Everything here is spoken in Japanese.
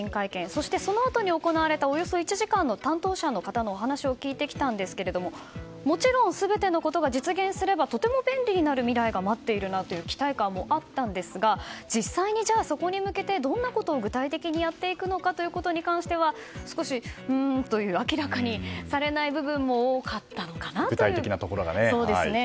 そして、そのあとに行われたおよそ１時間、担当者の方のお話を聞いてきたんですがもちろん、全てのことが実現すれば、とても便利になる未来が待っているという期待感もあったんですがじゃあ、実際にそこに向けてどんなことを具体的にやっていくのかということに関しては少し、うーんという明らかにされない部分も具体的なところがですね。